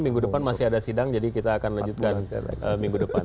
minggu depan masih ada sidang jadi kita akan lanjutkan minggu depan